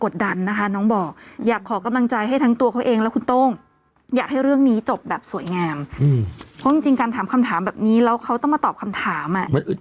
สังเกตเห็นไม่คะว่าเวลาตอบคำถาม